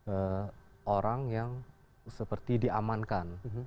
eh orang yang seperti diamankan